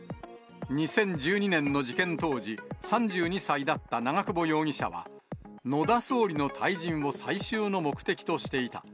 ２０１２年の事件当時、３２歳だった長久保容疑者は、野田総理の退陣を最終の目的としていた。